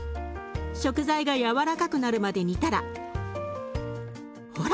食材がやわらかくなるまで煮たらほら！